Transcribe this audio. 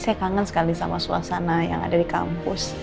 saya kangen sekali sama suasana yang ada di kampus